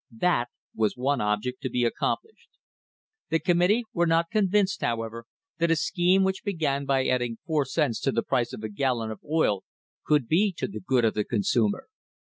That was one object to be accomplished." f The committee were not convinced, however, that a scheme which began by adding four cents to the price of a gallon of oil could be to the good of the consumer.